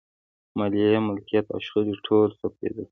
مالیه، ملکیت او شخړې ټول ثبتېدل.